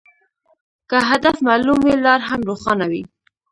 که هدف معلوم وي، لار هم روښانه وي.